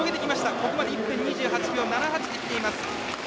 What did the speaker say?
ここまでは１分２８秒７８できています。